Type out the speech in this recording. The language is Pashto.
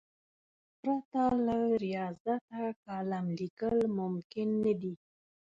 پرته له ریاضته کالم لیکل ممکن نه دي.